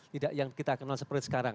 tidak yang kita kenal seperti sekarang